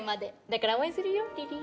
だから応援するよ梨々。